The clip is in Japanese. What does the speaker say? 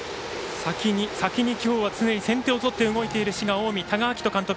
先に今日は常に先手を取って動いている滋賀・近江多賀章仁監督。